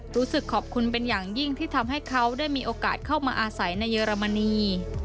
รู้สึกขอบคุณเป็นอย่างยิ่งที่ทำให้เขาได้มีโอกาสเข้ามาอาศัยในเยอรมนี